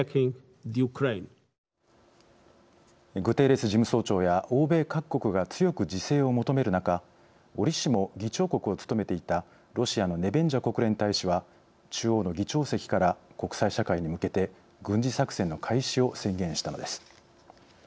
グテーレス事務総長や欧米各国が強く自制を求める中折しも議長国を務めていたロシアのネベンジャ国連大使は中央の議長席から国際社会に向けて軍事作戦の開始を宣言したのです。